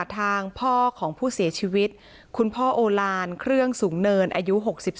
ทางพ่อของผู้เสียชีวิตคุณพ่อโอลานเครื่องสูงเนินอายุ๖๒